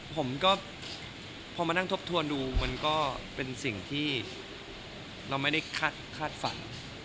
ผมก็พอมานั่งทบทวนดูมันก็เป็นสิ่งที่เราไม่ได้คาดฝัน